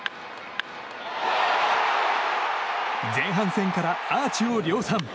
前半戦からアーチを量産。